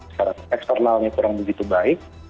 secara eksternalnya kurang begitu baik